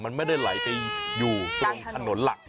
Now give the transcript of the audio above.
มันไม่ได้ไหลไปอยู่ตรงถนนหลัก